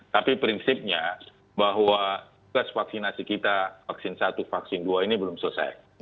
tapi prinsipnya bahwa tugas vaksinasi kita vaksin satu vaksin dua ini belum selesai